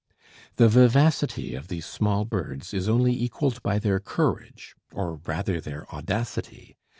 The vivacity of these small birds is only equaled by their courage, or rather their audacity.